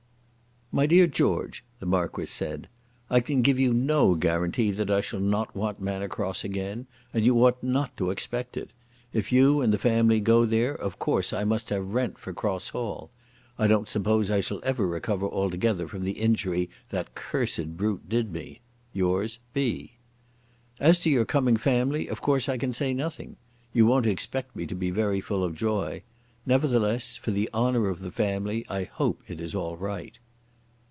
"MY DEAR GEORGE," the Marquis said, "I can give you no guarantee that I shall not want Manor Cross again, and you ought not to expect it. If you and the family go there of course I must have rent for Cross Hall. I don't suppose I shall ever recover altogether from the injury that cursed brute did me. "Yours, 'B.' "As to your coming family of course I can say nothing. You won't expect me to be very full of joy. Nevertheless, for the honour of the family, I hope it is all right."